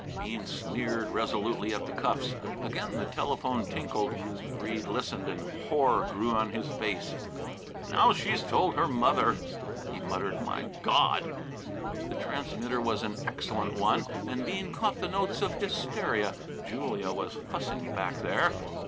Bean sneered resolutely at the cuffs. Again the telephone tinkled. Breede listened and horror grew on his face. "Now she's told her mother," he muttered. "My God!" The transmitter was an excellent one, and Bean caught notes of hysteria. Julia was fussing back there.